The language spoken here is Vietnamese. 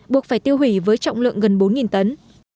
buộc phải tiêu hủy với trọng lượng gần bốn tấn